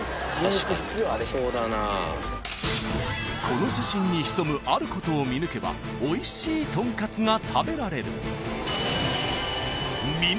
［この写真に潜むあることを見抜けばおいしいとんかつが食べられる］